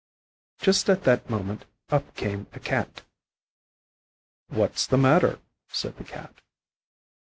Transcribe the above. Just at that moment up came a Cat. "What's the matter?" said the Cat.